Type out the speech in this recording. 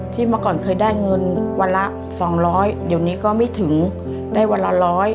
เมื่อก่อนเคยได้เงินวันละ๒๐๐เดี๋ยวนี้ก็ไม่ถึงได้วันละร้อย